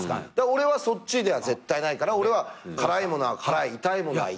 俺はそっちでは絶対ないから俺は辛いものは辛い痛いものは痛い。